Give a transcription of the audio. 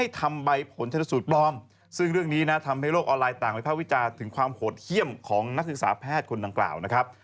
ถึงความหดเขี้ยมของนักศึกษาแพทย์คนดังกล่าวนะครับ